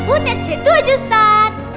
ustadz saya setuju ustadz